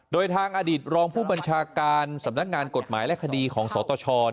โดยทางอดีตรองผู้บัญชาการสำนักงานกฎหมายและคดีของสตช